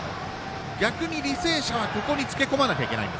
逆に履正社はここにつけこまなきゃいけない。